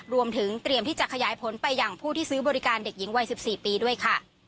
รวมถึงเตรียมที่จะขยายผลไปอย่างผู้ที่ซื้อบริการเด็กหญิงวัย๑๔ปีด้วยค่ะ